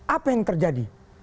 apa yang terjadi